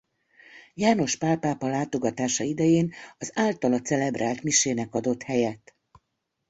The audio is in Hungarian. János Pál pápa látogatása idején az általa celebrált misének adott helyet.